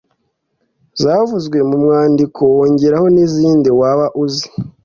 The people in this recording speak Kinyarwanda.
zavuzwe mu mwandiko wongereho n’izindi waba uzi.